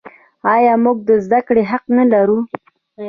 آیا موږ د زده کړې حق نلرو؟